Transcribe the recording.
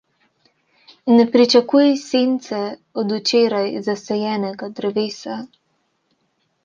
Ne pričakuj sence od včeraj zasajenega drevesa.